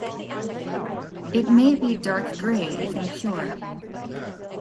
It may be dark gray if impure.